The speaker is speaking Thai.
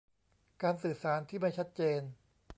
การสื่อสารที่ไม่ชัดเจน